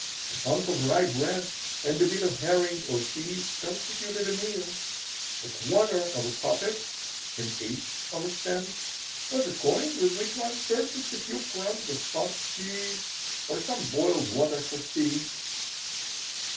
A hunk of rye bread and a bit of herring or cheese constituted a meal. A quarter of a copeck (an eighth of a cent) was a coin with which one purchased a few crumbs of pot cheese or some boiled water for tea.